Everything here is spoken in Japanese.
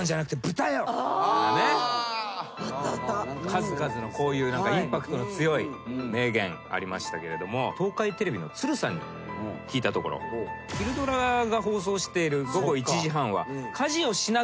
数々のインパクトの強い名言ありましたけれども東海テレビの鶴さんに聞いたところ昼ドラが放送している。